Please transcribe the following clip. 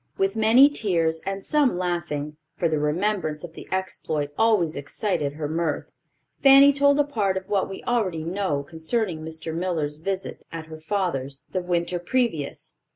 With many tears and some laughing—for the remembrance of the exploit always excited her mirth—Fanny told a part of what we already know concerning Mr. Miller's visit at her father's the winter previous.